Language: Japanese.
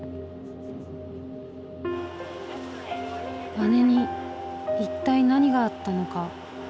姉に一体何があったのか。